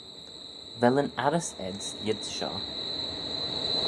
Vel yn arrys ayds lhied's shoh?